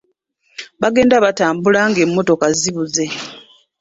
Baagenda batambula ng'emmotoka zibuze.